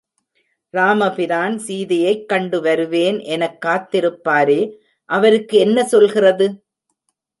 ராமபிரான் சீதையைக் கண்டு வருவேன் எனக் காத்திருப்பாரே அவருக்கு என்ன சொல்கிறது?